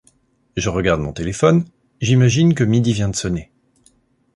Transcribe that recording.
Je regarde mon téléphone : j’imagine que midi vient de sonner.